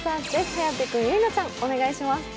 颯君、ゆいなちゃんお願いします。